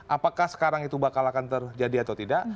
apakah sekarang itu bakal akan terjadi atau tidak